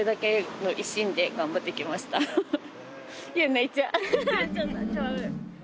泣いちゃう泣いちゃう。